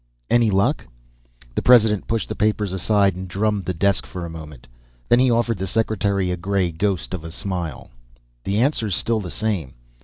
"Any luck?" The President pushed the papers aside and drummed the desk for a moment. Then he offered the Secretary a gray ghost of a smile. "The answer's still the same."